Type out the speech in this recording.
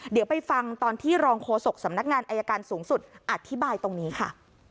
เดี๋ยวไปฟังตอนที่รองโฆษกสำนักงานอายการสูงสุดอธิบายตรงนี้ค่ะ